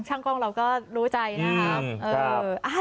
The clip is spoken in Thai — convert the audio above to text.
ช่างกล้องเราก็รู้ใจนะครับ